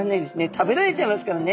食べられちゃいますからね。